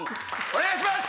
お願いします。